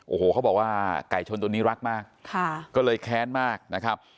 โอ้โหเขาบอกว่าไก่ชนตัวนี้รักมากก็เลยแค้นมากนะครับ